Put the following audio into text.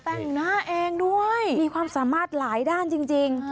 แต่งหน้าเองด้วยมีความสามารถหลายด้านจริง